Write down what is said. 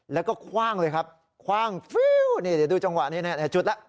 แล้วก็คว่างเลยครับคว่างฟิวนี่เดี๋ยวดูจังหวะนี้จุดแล้ว